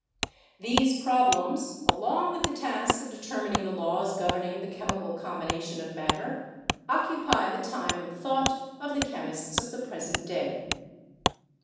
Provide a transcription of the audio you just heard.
These problems, along with the task of determining the laws governing the chemical combination of matter, occupy the time and thought of the chemists of the present day.